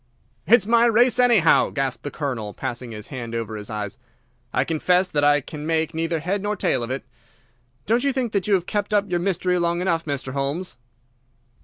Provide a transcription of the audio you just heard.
"It's my race, anyhow," gasped the Colonel, passing his hand over his eyes. "I confess that I can make neither head nor tail of it. Don't you think that you have kept up your mystery long enough, Mr. Holmes?"